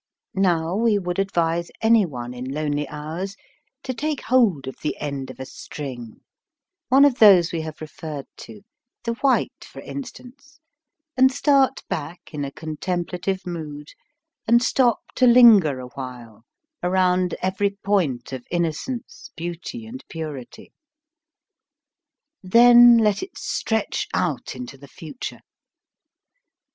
Now we would advise anyone in lonely hours to take hold of the end of a string, one of those we have referred to; the white for instance, and start back in a contemplative mood and stop to linger awhile, around every point of innocence, beauty and purity. Then let it stretch out into the future.